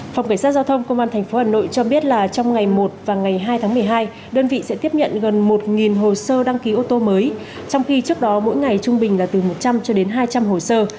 phòng cảnh sát giao thông công an tp hà nội cho biết là trong ngày một và ngày hai tháng một mươi hai đơn vị sẽ tiếp nhận gần một hồ sơ đăng ký ô tô mới trong khi trước đó mỗi ngày trung bình là từ một trăm linh cho đến hai trăm linh hồ sơ